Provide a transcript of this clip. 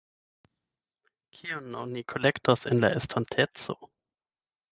Kion oni kolektos en la estonteco?